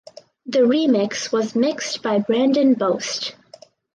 The remix was mixed by Brandon Bost.